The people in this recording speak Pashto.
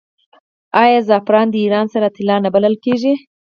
آیا زعفران د ایران سره طلا نه بلل کیږي؟